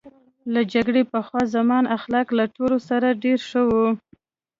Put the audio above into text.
له جګړې پخوا زما اخلاق له ټولو سره ډېر ښه وو